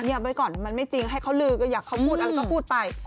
ไว้ก่อนมันไม่จริงให้เขาลือก็อยากเขาพูดอะไรก็พูดไป